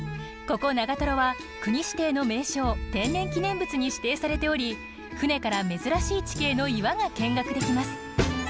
ここ長は国指定の名勝天然記念物に指定されており舟から珍しい地形の岩が見学できます。